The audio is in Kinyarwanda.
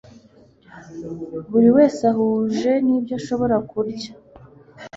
buri wese ahuje n'ibyo ashobora kurya